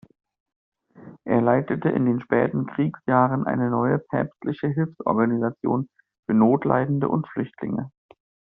Er leitete in den späten Kriegsjahren eine neue päpstliche Hilfsorganisation für Notleidende und Flüchtlinge.